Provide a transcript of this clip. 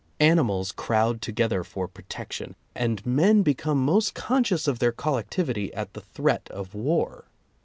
Animals crowd together for protection, and men become most conscious of their collectivity at the threat of war.